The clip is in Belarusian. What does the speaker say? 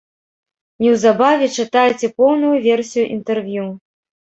Неўзабаве чытайце поўную версію інтэрв'ю.